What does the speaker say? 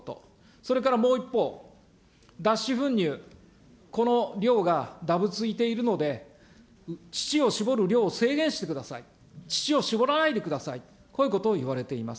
それからもう一方、脱脂粉乳、この量がだぶついているので、乳を搾る量を制限してください、乳を搾らないでください、こういうことをいわれています。